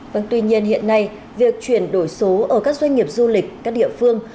vâng tuy nhiên hiện nay việc chuyển đổi số ở các doanh nghiệp du lịch các địa phương